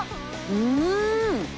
うん！